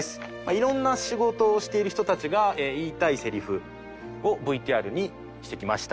色んな仕事をしている人たちが言いたいセリフをＶＴＲにしてきました。